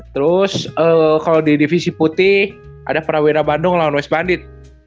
terus kalau di divisi putih ada prawira bandung lawan west bandit